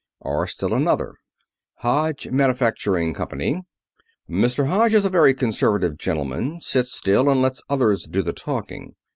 Or still another: Hodge Manufacturing Company: Mr. Hodge is a very conservative gentleman. Sits still and lets others do the talking.